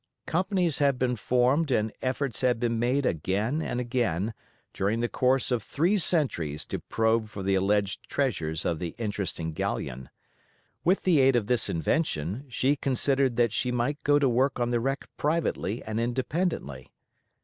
Companies had been formed and efforts had been made again and again during the course of three centuries to probe for the alleged treasures of the interesting galleon; with the aid of this invention she considered that she might go to work on the wreck privately and independently.